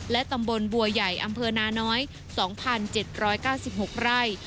ตำบลบัวใหญ่อำเภอนาน้อย๒๗๙๖ไร่